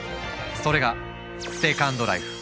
それが「セカンドライフ」。